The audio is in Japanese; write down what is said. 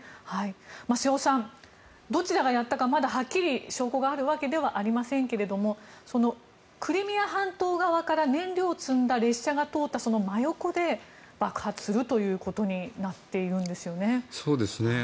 瀬尾さん、どちらがやったかまだはっきり証拠があるわけではありませんがクリミア半島側から燃料を積んだ列車が通ったその真横で爆発するということになっているんですよね。